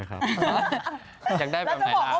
เอาจริง